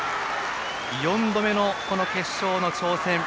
４度目の決勝の挑戦。